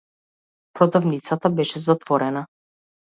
Продавницата беше затворена.